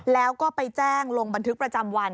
แล้วก็ไปแจ้งลงบันทึกประจำวัน